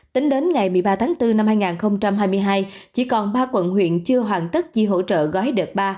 tính đến ngày một mươi ba tháng bốn năm hai nghìn hai mươi hai chỉ còn ba quận huyện chưa hoàn tất chi hỗ trợ gói đợt ba